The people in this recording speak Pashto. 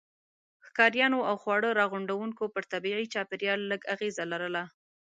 ښکاریانو او خواړه راغونډوونکو پر طبيعي چاپیریال لږ اغېزه لرله.